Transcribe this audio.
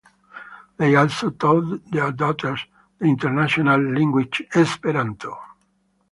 They also taught their daughters the international language Esperanto.